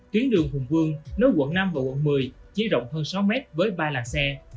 chuyến đường hùng vương nối quận năm và quận một mươi chiếc rộng hơn sáu m với ba làng xe